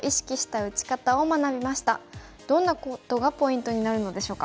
どんなことがポイントになるのでしょうか。